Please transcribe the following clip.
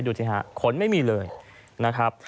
ดูสิฮะขนไม่มีเลยนะครับ